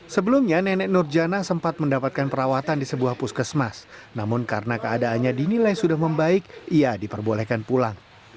sebelumnya nenek nur jana sempat mendapatkan perawatan di sebuah puskesmas namun karena keadaannya dinilai sudah membaik ia diperbolehkan pulang